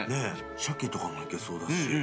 シャケとかもいけそうだし。